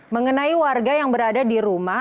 mengenai warga yang berada di rumah